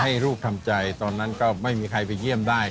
ให้ลูกทำใจตอนนั้นก็ไม่มีใครไปเยี่ยมได้